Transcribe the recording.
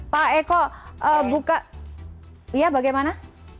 pak eko buka ya bagaimana